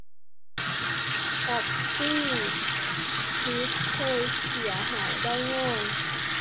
ฟอปปี้ดิสเคยเสียหายได้ง่าย